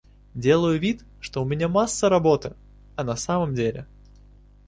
Делаю вид, что у меня масса работы, а на самом деле.